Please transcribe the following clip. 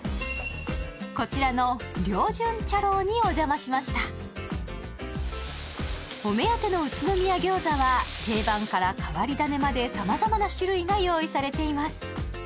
こちらのにお邪魔しましたお目当ての宇都宮餃子は定番から変わり種まで様々な種類が用意されています